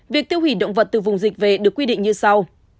việc tiêu hủy động vật từ vùng dịch về được quy định như sau